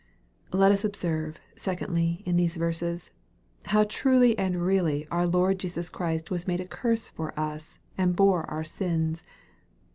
Let us observe, secondly, in these verses, how truly and really our Lord Jesus Christ was made a curse for us, and bore our sins.